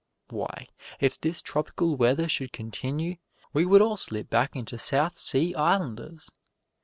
Why, if this tropical weather should continue we would all slip back into South Sea Islanders!